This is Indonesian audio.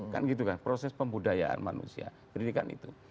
kan gitu kan proses pembudayaan manusia pendidikan itu